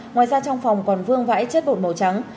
ngoài ra trong phòng còn vương vãi chất bột màu trắng